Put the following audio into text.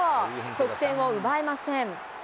得点を奪えません。